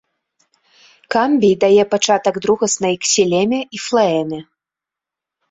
Камбій дае пачатак другаснай ксілеме і флаэме.